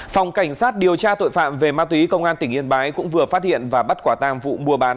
phòng cảnh sát điều tra tội phạm về ma túy công an tỉnh yên bái cũng vừa phát hiện và bắt quả tang vụ mua bán